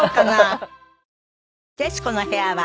『徹子の部屋』は